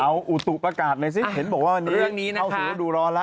เอาอุตุประกาศหน่อยสิเห็นบอกว่าวันนี้เข้าสู่ฤดูร้อนแล้ว